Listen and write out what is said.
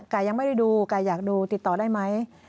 ไก่ยังไม่ได้ดูไก่อยากดูติดต่อได้ไหม